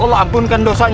ya udah tenang tak